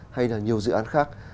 hay là nhiều dự án khác